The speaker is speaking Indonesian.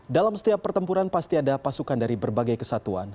dalam setiap pertempuran pasti ada pasukan dari berbagai kesatuan